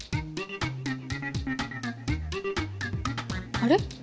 あれ？